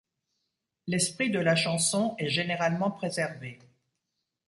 L'esprit de la chanson est généralement préservé.